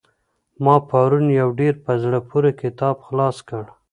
ما پرون يو ډېر په زړه پوري کتاب خلاص کړ.